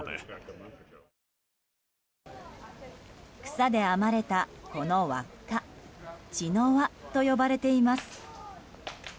草で編まれた、この輪っか茅の輪と呼ばれています。